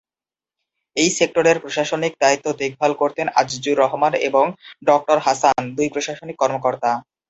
এই সেক্টরের প্রশাসনিক দায়িত্ব দেখভাল করতেন আজিজুর রহমান ও ডক্টর হাসান দুই প্রশাসনিক কর্মকর্তা।